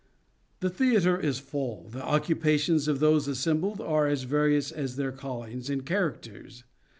The theatre is full. The occupations of those assembled are as various as their callings and characters.